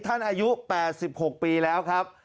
อายุ๘๖ปีแล้วครับ